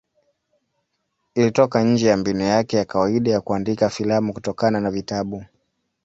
Ilitoka nje ya mbinu yake ya kawaida ya kuandika filamu kutokana na vitabu.